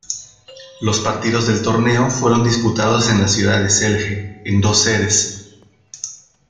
Los partidos del torneo fueron disputados en la ciudad de Celje, en dos sedes.